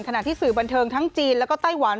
ที่สื่อบันเทิงทั้งจีนแล้วก็ไต้หวัน